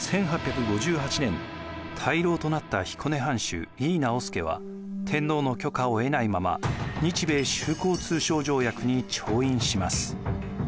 １８５８年大老となった彦根藩主井伊直弼は天皇の許可を得ないまま日米修好通商条約に調印します。